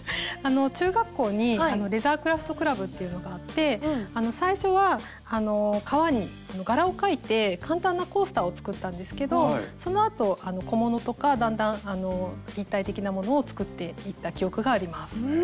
中学校にレザークラフトクラブっていうのがあって最初は革に柄を描いて簡単なコースターを作ったんですけどそのあと小物とかだんだん立体的なものを作っていった記憶があります。